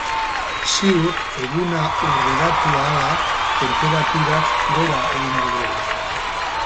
Ziur eguna urreratu ahala tenperaturak gora egingo duela.